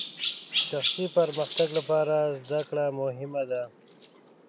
شخصي پرمختګ لپاره زدهکړه مهمه ده.